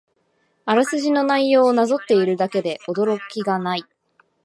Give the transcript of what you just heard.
あらすじの内容をなぞっているだけで驚きがない